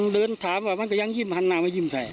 เริ่มถามว่ามันก็ยังหันมายิ่มใส่